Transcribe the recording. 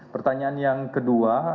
pertanyaan yang kedua